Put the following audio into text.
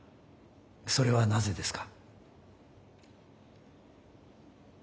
それはなぜですか？